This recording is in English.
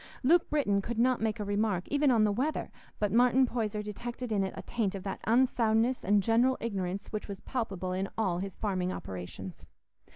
Luke Britton could not make a remark, even on the weather, but Martin Poyser detected in it a taint of that unsoundness and general ignorance which was palpable in all his farming operations.